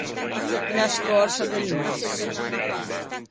Unna scòrsa de lumassa.